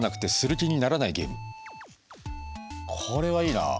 これはいいなあ。